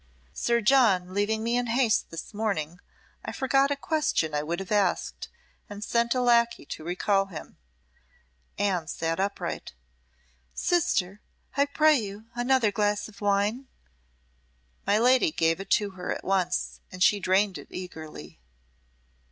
Sir John, leaving me in haste this morning, I forgot a question I would have asked, and sent a lacquey to recall him." Anne sat upright. "Sister I pray you another glass of wine." My lady gave it to her at once, and she drained it eagerly.